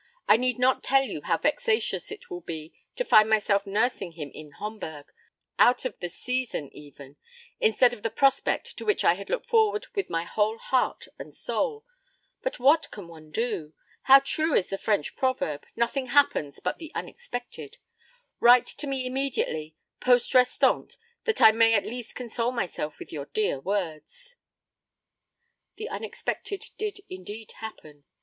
I need not tell you how vexatious it will be to find myself nursing him in Homburg out of the season even instead of the prospect to which I had looked forward with my whole heart and soul. But what can one do? How true is the French proverb, 'Nothing happens but the unexpected'! Write to me immediately Poste Restante, that I may at least console myself with your dear words.' The unexpected did indeed happen.